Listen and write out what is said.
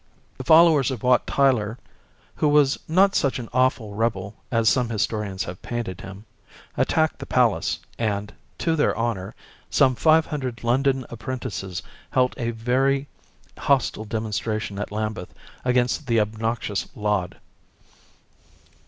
The followers of Wat Tyler â€" who was not such an awful rebel, as some his torians have painted him â€" attacked the palace, and â€" to their honor â€" some five hundred London apprentices held a very hostile demonstration at Lambeth against the obnoxious Laud.